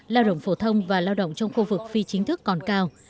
lao động phổ thông và lao động trong khu vực phi chính thức còn cao